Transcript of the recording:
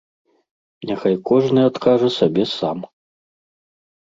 Няхай кожны адкажа сабе сам.